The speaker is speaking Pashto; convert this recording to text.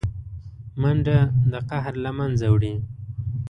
منډه د قهر له منځه وړي